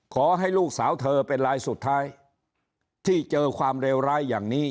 ขอให้ลูกสาวเธอเป็นรายสุดท้ายที่เจอความเลวร้ายอย่างนี้